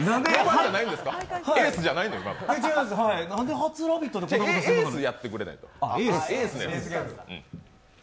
何で初「ラヴィット！」でこんなことするんだろう。